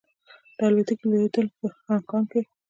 د الوتکې لوېدل په هانګ کې کې.